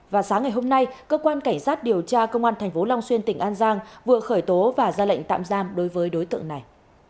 và sáng ngày hôm nay cơ quan cảnh sát điều tra công an tp long xuyên tỉnh an giang vừa khởi tố và ra lệnh tạm giam đối với đối tượng này